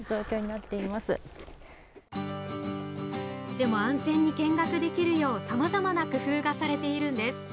でも安全に見学できるようさまざまな工夫がされているんです。